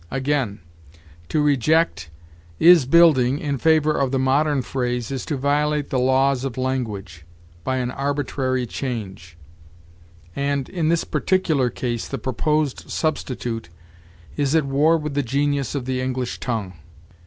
Again, 'To reject' is building in favor of the modern phrase 'is to violate the laws of language by an arbitrary change; and, in this particular case, the proposed substitute is at war with the genius of the English tongue.'